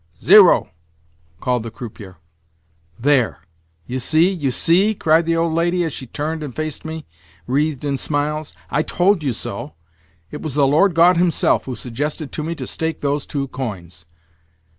"Zero!" called the croupier. "There! You see, you see!" cried the old lady, as she turned and faced me, wreathed in smiles. "I told you so! It was the Lord God himself who suggested to me to stake those two coins.